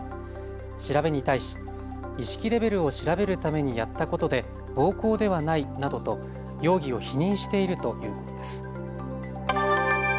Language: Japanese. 調べに対し意識レベルを調べるためにやったことで暴行ではないなどと容疑を否認しているということです。